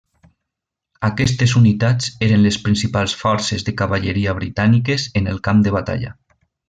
Aquestes unitats eren les principals forces de cavalleria britàniques en el camp de batalla.